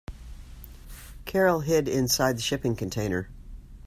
Carol hid inside the shipping container.